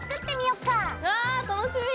うわ楽しみ！